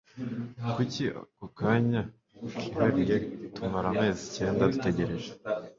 kuri ako kanya kihariye tumara amezi icyenda dutegereje